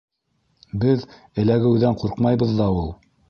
- Беҙ эләгеүҙән ҡурҡмайбыҙ ҙа ул.